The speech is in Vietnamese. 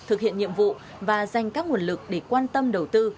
thực hiện nhiệm vụ và dành các nguồn lực để quan tâm đầu tư